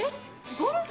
ゴルフ？